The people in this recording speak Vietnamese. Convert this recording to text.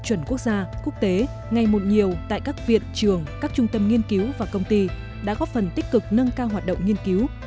chuẩn quốc gia quốc tế ngày một nhiều tại các viện trường các trung tâm nghiên cứu và công ty đã góp phần tích cực nâng cao hoạt động nghiên cứu